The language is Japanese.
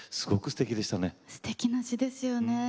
すてきな詞ですよね。